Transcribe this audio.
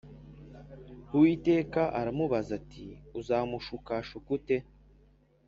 Uwiteka aramubaza ati ‘Uzamushukashuka ute?’